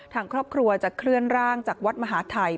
ทางครอบครัวจะเคลื่อนร่างจากวัดมหาทัย